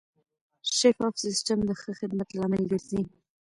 شفاف سیستم د ښه خدمت لامل ګرځي.